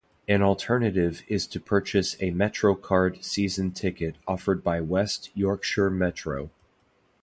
An alternative is to purchase a 'MetroCard' season ticket offered by West Yorkshire Metro.